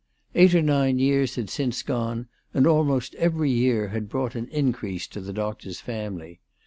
Eight or nine years had since gone, and almost every year had brought an increase to the doctor's family.